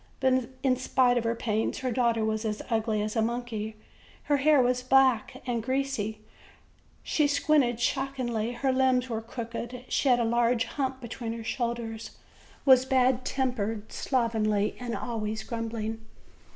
But in spite of her pains, her daughter was as ugly as a monkey: her hair was back and greasy; she squinted shockingly; her limbs were crooked; she had a large hump between her shoulders, was bad tempered, slovenly, and always grumbling.